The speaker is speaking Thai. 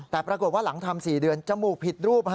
แต่ปรากฏว่าหลังทำ๔เดือนจมูกผิดรูป